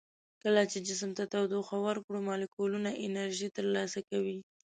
کله چې جسم ته تودوخه ورکړو مالیکولونه انرژي تر لاسه کوي.